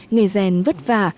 nghề rèn vất vả